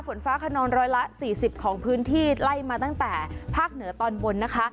ฝนฟ้าขนองร้อยละ๔๐ของพื้นที่ไล่มาตั้งแต่ภาคเหนือตอนบนนะคะ